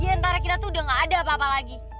di antara kita tuh udah gak ada apa apa lagi